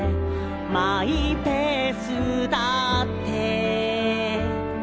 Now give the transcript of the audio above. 「マイペースだって」